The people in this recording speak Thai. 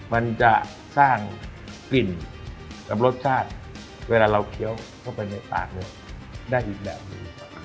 มันจะสร้างกลิ่นกับรสชาติเวลาเราเคี้ยวเข้าไปในปากเนี่ยได้อีกแบบหนึ่ง